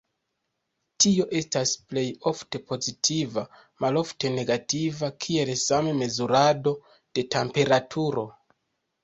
Tio estas plej ofte pozitiva, malofte negativa, kiel same mezurado de temperaturo.